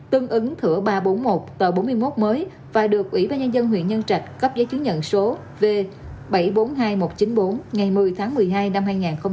tương ứng thửa ba trăm bốn mươi một tờ bốn mươi một mới và được ủy ban nhân dân huyện nhân trạch cấp giấy chứng nhận số v bảy trăm bốn mươi hai nghìn một trăm chín mươi bốn ngày một mươi tháng một mươi hai năm hai nghìn hai mươi